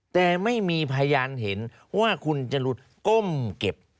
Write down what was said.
แต่ไม่มีพยานเห็นว่าคุณจรูนก้มเก็บ